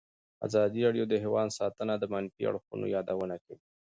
ازادي راډیو د حیوان ساتنه د منفي اړخونو یادونه کړې.